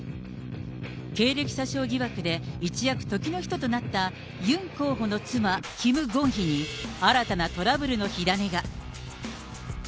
経歴詐称疑惑で一躍時の人となった、ユン候補の妻、キム・ゴンヒに、新たなトラブルの火種が。